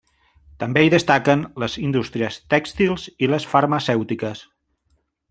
També hi destaquen les indústries tèxtils i les farmacèutiques.